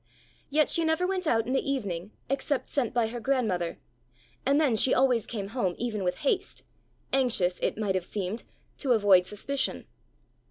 Yet she never went out in the evening except sent by her grandmother, and then she always came home even with haste anxious, it might have seemed, to avoid suspicion.